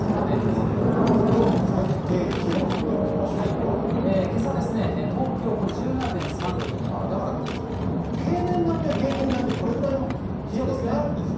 ちょっとシーズンがね、ずれてたきょうの最低気温を見ておきけさですね、東京、これ１７．だから、平年並みは平年並みで、これぐらいの冷え込みはあるんですね。